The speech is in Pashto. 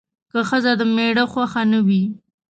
که ښځه د میړه خوښه نه وي